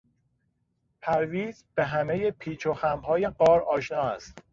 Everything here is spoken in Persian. پرویز به همهی پیچ و خمهای غار آشنا است.